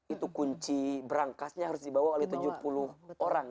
itu kunci berangkasnya harus dibawa oleh tujuh puluh orang